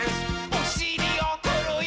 おしりをふるよ。